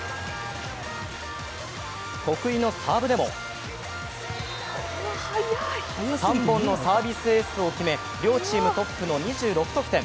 得意のサーブでも３本のサービスエースを決め両チームトップの２６得点。